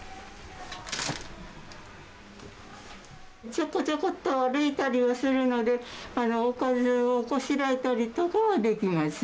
ちょこちょこと歩いたりはするので、おかずをこしらえたりとかはできます。